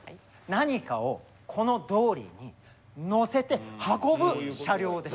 何かをこのドーリーに載せて運ぶ車両です。